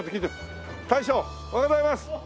大将おはようございます！